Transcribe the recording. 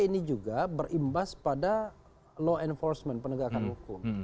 ini juga berimbas pada law enforcement penegakan hukum